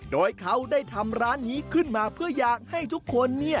โดยเขาได้ทำร้านนี้ขึ้นมาเพื่ออยากให้ทุกคน